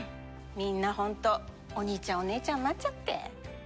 みんな本当お兄ちゃんお姉ちゃんになっちゃって。